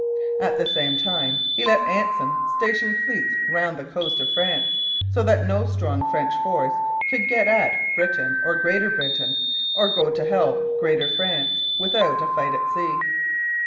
At the same time he let Anson station fleets round the coast of France, so that no strong French force could get at Britain or Greater Britain, or go to help Greater France, without a fight at sea.